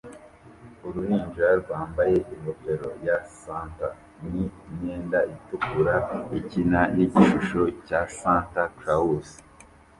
Uruhinja rwambaye ingofero ya Santa n imyenda itukura ikina nigishusho cya Santa Claus